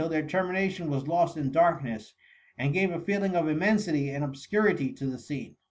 their termination was lost in darkness, and gave a feeling of immensity and obscurity to the scene.